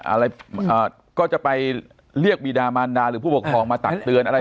อะไรก็จะไปเรียกบีดามันดาหรือผู้ปกครองมาตักเตือนอะไร